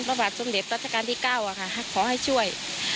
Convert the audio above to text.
พระบาทสมเด็จตัวจากการที่๙ขอให้ช่วย